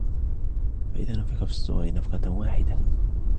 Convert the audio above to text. فَإِذَا نُفِخَ فِي الصُّورِ نَفْخَةٌ وَاحِدَةٌ